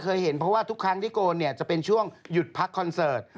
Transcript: เคยเห็นเพราะว่าทุกครั้งที่โกนเนี่ยจะเป็นช่วงหยุดพักคอนเสิร์ต